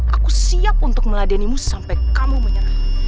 aku siap untuk meladenimu sampai kamu menyerang